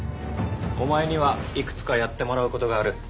お前にはいくつかやってもらう事がある。